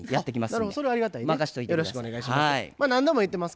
よろしくお願いします。